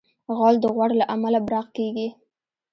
غول د غوړ له امله براق کېږي.